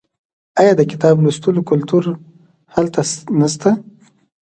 آیا د کتاب لوستلو کلتور هلته نشته؟